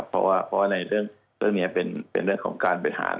เพราะว่าในเรื่องนี้เป็นเรื่องของการบริหาร